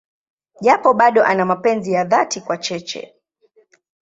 Japo bado ana mapenzi ya dhati kwa Cheche.